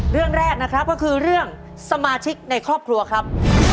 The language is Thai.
เรื่องแรกนะครับก็คือเรื่องสมาชิกในครอบครัวครับ